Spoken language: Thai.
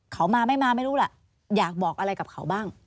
เขามาไม่มาไม่รู้ล่ะอยากบอกอะไรกับเขาบ้าง